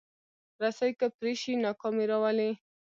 رسۍ که پرې شي، ناکامي راولي.